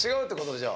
じゃあ。